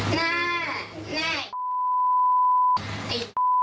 หน้าหน้า